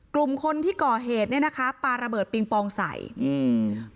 กลุ่มคนที่ก่อเหตุเนี้ยนะคะปลาระเบิดปิงปองใส่อืม